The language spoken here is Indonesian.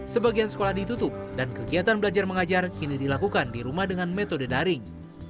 sebagian sekolah ditutup dan kegiatan belajar mengajar kini dilakukan di rumah dengan metode daring